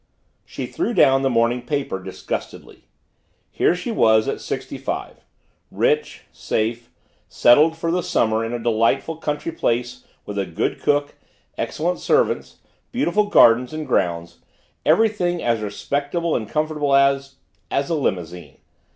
She threw down the morning paper disgustedly. Here she was at 65 rich, safe, settled for the summer in a delightful country place with a good cook, excellent servants, beautiful gardens and grounds everything as respectable and comfortable as as a limousine!